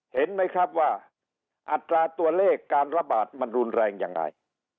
เห็นไหมครับว่าอัตราตัวเลขการระบาดมันรุนแรงยังไง